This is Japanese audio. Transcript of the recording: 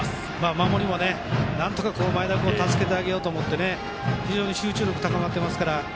守りもなんとか前田君を助けようと思って非常に集中力が高まっていますから。